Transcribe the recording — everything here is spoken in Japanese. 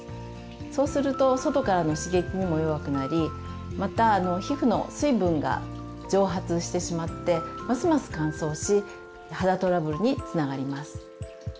そうすると外からの刺激にも弱くなりまた皮膚の水分が蒸発してしまってますます乾燥し肌トラブルにつながります。